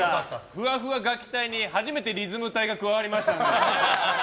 ふわふわ楽器隊に初めてリズム隊が加わりましたので。